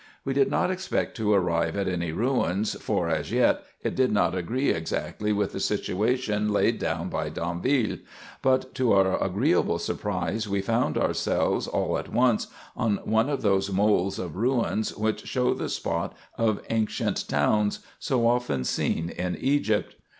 We did not expect to arrive at any ruins, for, as yet, it did not agree exactly with the situation laid down by D'Anville ; but, to our agreeable surprise, we found ourselves all at once on one of those moles of ruins which show the spot of ancient towns, so often seen in Egypt.